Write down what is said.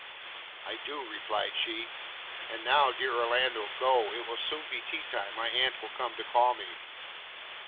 'I do,' replied she; 'and now, dear Orlando, go; it will soon be tea time, my aunt will come to call me.'